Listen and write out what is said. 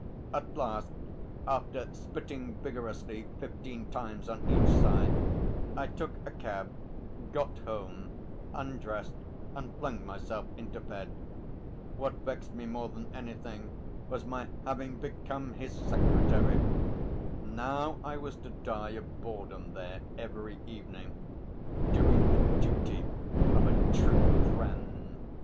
At last, after spitting vigorously fifteen times on each side, I took a cab, got home, undressed and flung myself into bed. What vexed me more than anything was my having become his secretary. Now I was to die of boredom there every evening, doing the duty of a true friend!